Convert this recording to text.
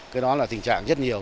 cái đó là tình trạng rất nhiều